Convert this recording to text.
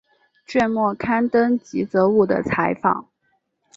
卷末刊登吉泽务的采访。